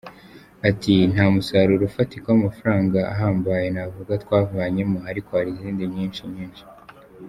Ati “Nta musaruro ufatika w’amafaranga ahambaye navuga twavanyemo, ariko hari izindi nyinshi nyinshi.